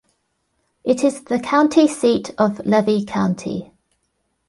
It is the county seat of Levy County.